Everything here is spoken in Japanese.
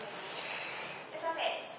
いらっしゃいませ。